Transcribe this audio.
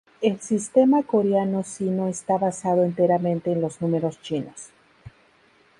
El sistema coreano Sino está basado enteramente en los números Chinos.